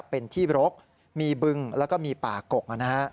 เป็นที่ลกมีเปึ้งแล้วก็มีป่ากก